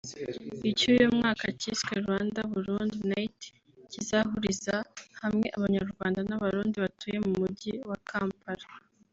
Icy’uyu mwaka cyiswe “Rwanda/Burundi Night” kizahuriza hamwe Abanyarwanda n’Abarundi batuye mu Mujyi wa Kampala